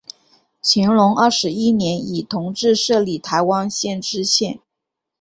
乾隆二十一年以同知摄理台湾县知县。